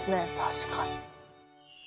確かに。